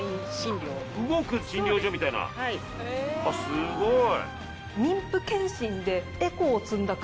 すごい！